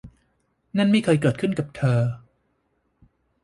นั่นไม่เคยเกิดขึ้นกับเธอ